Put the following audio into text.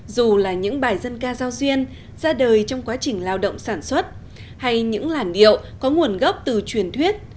dù là những bài dân ca giao duyên ra đời trong quá trình lao động sản xuất hay những làn điệu có nguồn gốc từ truyền thuyết